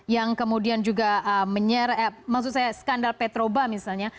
yang kemudian juga menyeret maksud saya skandal petroba misalnya